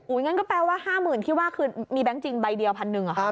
อู๋อย่างนั้นก็แปลว่า๕๐๐๐๐ที่ว่าคือมีแบงค์จริงใบเดียว๑๐๐๐อ่ะครับ